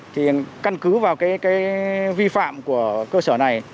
thì căn cứ vào cái vi phạm của cơ sở này